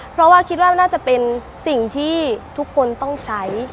เพราะว่าคิดว่าน่าจะเป็นสิ่งที่ทุกคนต้องใช้